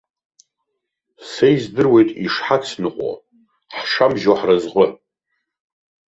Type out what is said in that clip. Са издыруеит ишҳацныҟәо, ҳшамжьо ҳразҟы!